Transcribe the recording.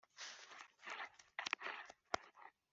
umwana asigaye yegura inkoni